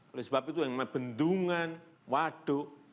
oleh sebab itu yang benar benar bendungan waduk